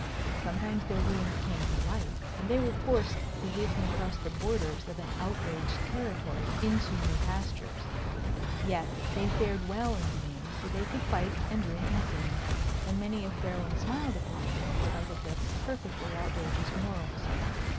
Sometimes their doings came to light, and they were forced to hasten across the borders of an outraged territory into new pastures. Yet they fared well in the main, for they could fight and drink and sing; and many a fair one smiled upon them, in spite of their perfectly outrageous morals.